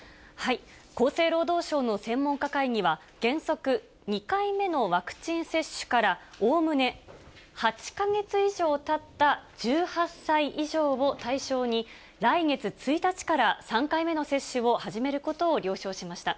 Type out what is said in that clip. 厚生労働省の専門家会議は、原則２回目のワクチン接種から、おおむね８か月以上たった１８歳以上を対象に、来月１日から３回目の接種を始めることを了承しました。